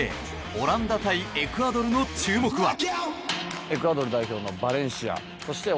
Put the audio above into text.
オランダ対エクアドルの注目は。